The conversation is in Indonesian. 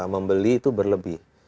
membeli itu berlebih